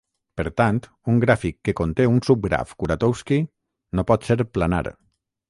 Per tant, un gràfic que conté un subgraf Kuratowski no pot ser planar.